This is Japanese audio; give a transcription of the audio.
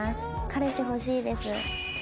彼氏欲しいです。